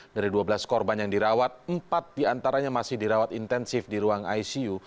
dari dua belas korban yang dirawat empat diantaranya masih dirawat intensif di ruang icu